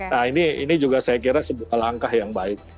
nah ini juga saya kira sebuah langkah yang baik